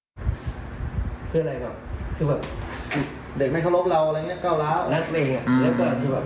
แล้วก็อย่างนี้แล้วก็อย่างนี้แบบเราแบบ